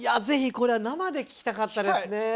ぜひこれは生で聴きたかったですね。